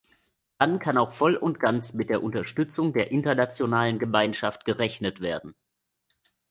Dann kann auch voll und ganz mit der Unterstützung der internationalen Gemeinschaft gerechnet werden.